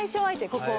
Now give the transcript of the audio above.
ここ。